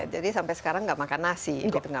jadi sampai sekarang gak makan nasi